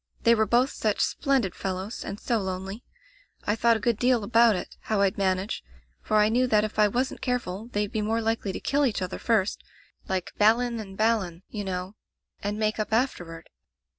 They were both such splendid fellows and so lonely. I thought a good deal about it, how rd manage, for I knew that if I wasn't careful they'd be more likely to kill each other first — ^like Balin and Balan, you know — and make up afterward.